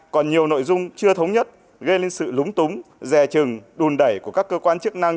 còn nhiều nội dung chưa thống nhất gây lên sự lúng túng rè trừng đùn đẩy của các cơ quan chức năng